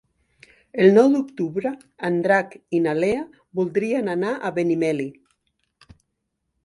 El nou d'octubre en Drac i na Lea voldrien anar a Benimeli.